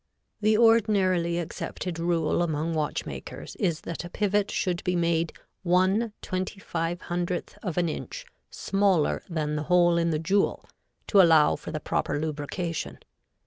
The ordinarily accepted rule among watchmakers is that a pivot should be made 1/2500 of an inch smaller than the hole in the jewel to allow for the proper lubrication.